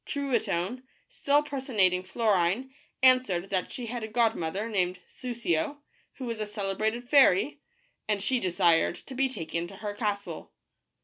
Trui tonne, still personating Florine, answered that she had a god The blue bird. mother, named Soussio, who was a celebrated fairy, and she desired to be taken to her castle.